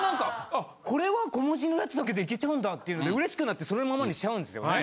あっこれは小文字のやつだけでいけちゃうんだっていうので嬉しくなってそのままにしちゃうんですよね。